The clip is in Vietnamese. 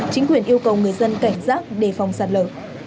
chính quyền yêu cầu người dân cảnh giác đề phòng sạt lở